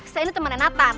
saya ini temennya nathan